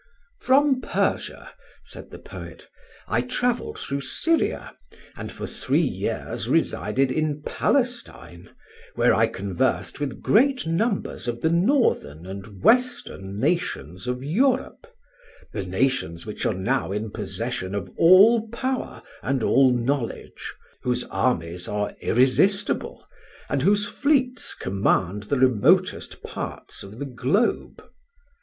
"From Persia," said the poet, "I travelled through Syria, and for three years resided in Palestine, where I conversed with great numbers of the northern and western nations of Europe, the nations which are now in possession of all power and all knowledge, whose armies are irresistible, and whose fleets command the remotest parts of the globe.